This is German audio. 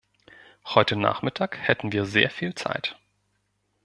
Heute Nachmittag hätten wir sehr viel Zeit.